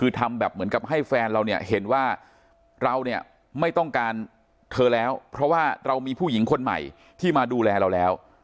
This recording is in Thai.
คือทำแบบเหมือนกับให้แฟนเราเนี่ยเห็นว่าเราเนี่ยไม่ต้องการเธอแล้วเพราะว่าเรามีผู้หญิงคนใหม่ที่มาดูแลเราแล้ว